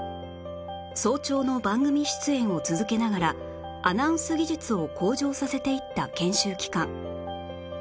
早朝の番組出演を続けながらアナウンス技術を向上させていった研修期間